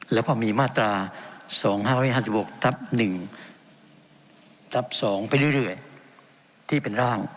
แล้วพอมีมาตรา๒๕๕๖ทับ๑ทับ๒ไปเรื่อยที่เป็นร่าง